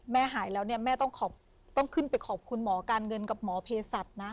หายแล้วเนี่ยแม่ต้องขึ้นไปขอบคุณหมอการเงินกับหมอเพศัตริย์นะ